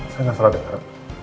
saya gak salah denger